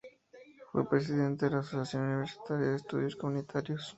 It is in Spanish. Fue Presidente de la Asociación Universitaria de Estudios Comunitarios.